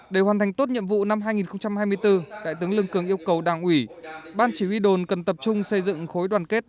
để hoàn thành tốt nhiệm vụ năm hai nghìn hai mươi bốn đại tướng lương cường yêu cầu đảng ủy ban chỉ huy đồn cần tập trung xây dựng khối đoàn kết